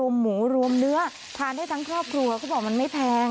หมูรวมเนื้อทานได้ทั้งครอบครัวเขาบอกมันไม่แพง